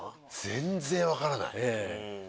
全然分からない。